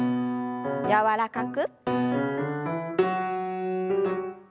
柔らかく。